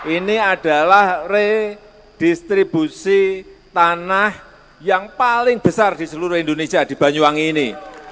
ini adalah redistribusi tanah yang paling besar di seluruh indonesia di banyuwangi ini